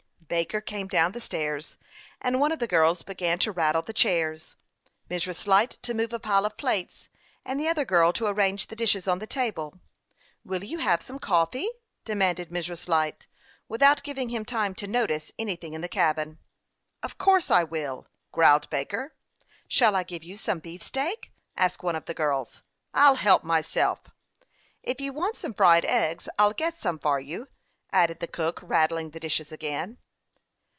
Baker came down the stairs, and one of the girls began to rattle the chairs, Mrs. Light to move a THE YOUNG PILOT OF LAKE CHAMF^AIN. 293 pile of plates, and the other girl to arrange the dishes on the table. " Will you have some coffee ?" demanded Mrs. Light, without giving him time to notice anything in the cabin. " Of course I will," growled Baker. " Shall I give you some beefsteak ?" asked one. of the girls. " I'll help myself." *' If you want some fried eggs I'll get *some for you," added the cook, rattling the dishes again.